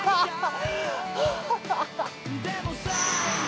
アハハハ！